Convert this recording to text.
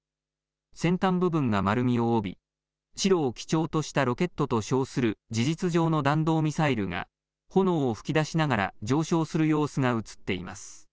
先端部分が丸みを帯び白を基調としたロケットと称する事実上の弾道ミサイルが炎を吹き出しながら上昇する様子が写っています。